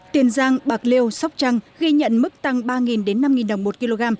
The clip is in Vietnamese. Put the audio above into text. tiền giang bạc liêu sóc trăng ghi nhận mức tăng ba năm đồng một kg